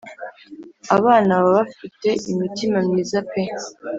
Abana baba bafite imitima myiza pe